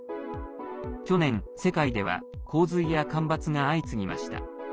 去年、世界では洪水や干ばつが相次ぎました。